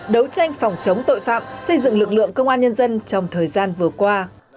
đấu tranh phòng chống tội phạm xây dựng lực lượng công an nhân dân trong thời gian vừa qua